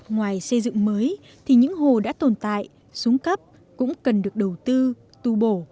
ngoài xây dựng mới thì những hồ đã tồn tại xuống cấp cũng cần được đầu tư tu bổ